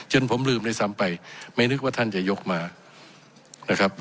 จนผมลืมได้ซ้ำไปไม่นึกว่าท่านจะยกมา